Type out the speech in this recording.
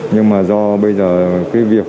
nhưng mà do bây giờ cái việc